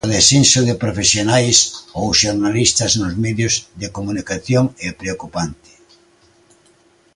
O descenso de profesionais ou xornalistas nos medios de comunicación é preocupante.